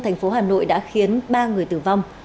thành phố hà nội đã khiến ba người tử vong